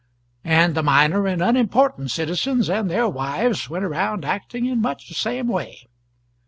And the minor and unimportant citizens and their wives went around acting in much the same way.